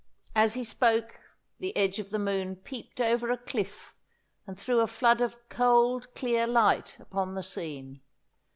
As he spoke the edge of the moon peeped over a cliff and threw a flood of cold clear light upon the scene.